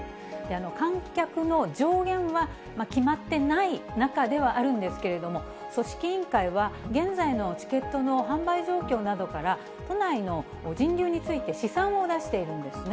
観客の上限は決まってない中ではあるんですけれども、組織委員会は、現在のチケットの販売状況などから、都内の人流について試算を出しているんですね。